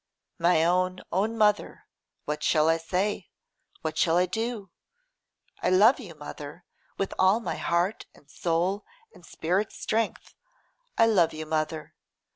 'My own, own mother, what shall I say? what shall I do? I love you, mother, with all my heart and soul and spirit's strength: I love you, mother.